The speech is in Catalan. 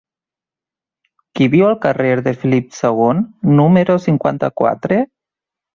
Qui viu al carrer de Felip II número cinquanta-quatre?